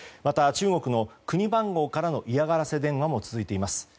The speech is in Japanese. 中国の国番号からの嫌がらせ電話も続いています。